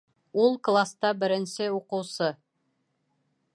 Ул класта беренсе уҡыусы